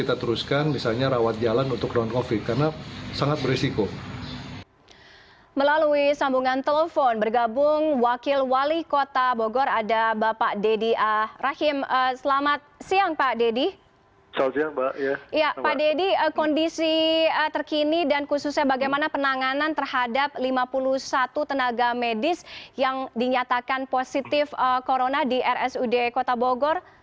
pak deddy kondisi terkini dan khususnya bagaimana penanganan terhadap lima puluh satu tenaga medis yang dinyatakan positif corona di rsud kota bogor